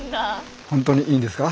本当にいいんですか？